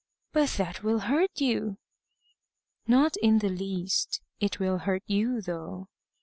"But that will hurt you." "Not in the least. It will hurt you, though."